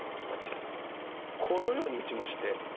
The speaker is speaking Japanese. このように打ちまして。